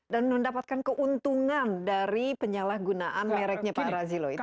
dan mendapatkan keuntungan dari penyalahgunaan mereknya pak razilo itu